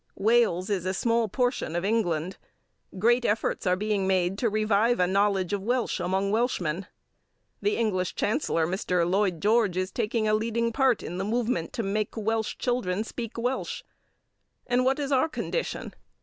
Wales is a small portion of England. Great efforts are being made to revive a knowledge of Welsh among Welshmen. The English Chancellor, Mr. Lloyd George, is taking a leading part in the movement to make Welsh children speak Welsh. And what is our condition?